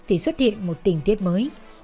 thì xuất hiện một tình tiết mới